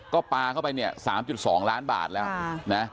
ก็ปลาเข้าไปเนี่ย๓๒ล้านบาทแล้วนะ